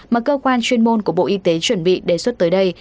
mà cơ quan chuyên môn của bộ y tế chuẩn bị đề xuất tới đây